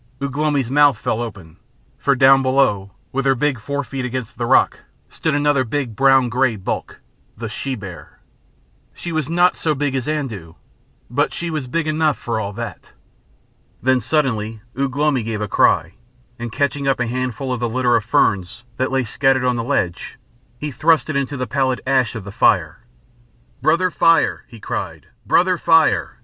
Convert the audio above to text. Ugh lomi's mouth fell open. For down below, with her big fore feet against the rock, stood another big brown grey bulk the she bear. She was not so big as Andoo, but she was big enough for all that. Then suddenly Ugh lomi gave a cry, and catching up a handful of the litter of ferns that lay scattered on the ledge, he thrust it into the pallid ash of the fire. "Brother Fire!" he cried, "Brother Fire!"